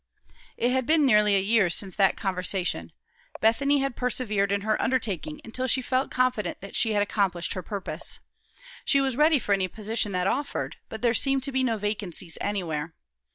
It had been nearly a year since that conversation. Bethany had persevered in her undertaking until she felt confident that she had accomplished her purpose. She was ready for any position that offered, but there seemed to be no vacancies anywhere.